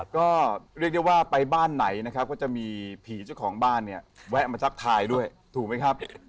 ก็เรียกได้ว่าไปบ้านไหนนะครับก็จะมีผีเจ้าของบ้านเนี่ยแวะมาทักทายด้วยถูกไหมครับ